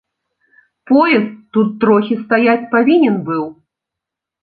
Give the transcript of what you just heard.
Поезд тут трохі стаяць павінен быў.